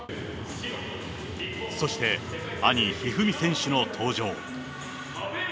そして、兄、一二三選手の登場。